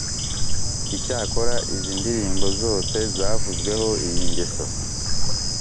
icyakora izi ndirimbo zose zavuzweho iyi ngeso